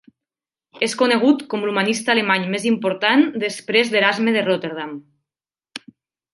És conegut com l'humanista alemany més important després d'Erasme de Rotterdam.